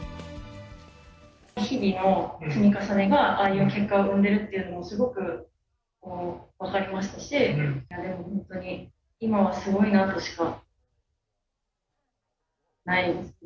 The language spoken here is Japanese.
日々の積み重ねが、ああいう結果を生んでるっていうのがすごく分かりましたし、本当に今はすごいなとしかないですね。